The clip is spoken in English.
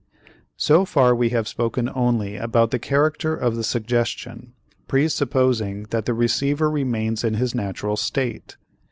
So far we have spoken only about the character of the suggestion, presupposing that the receiver remains in his natural state.